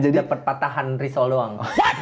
dapat patahan risol doang